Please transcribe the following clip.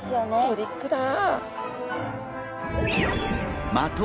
トリックだ！